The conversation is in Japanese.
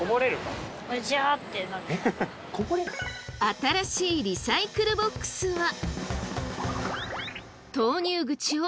新しいリサイクルボックスは。